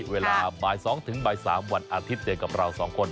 เวลาบ่าย๒ถึงบ่าย๓วันอาทิตย์เจอกับเราสองคน